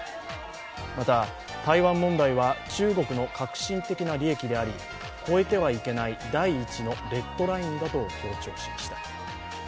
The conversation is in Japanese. また、台湾問題は中国の核心的な利益であり、越えてはいけない第１のレッドラインだと強調しました。